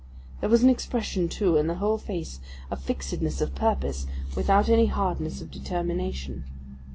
There was an expression, too, in the whole face, of fixedness of purpose, without any hardness of determination.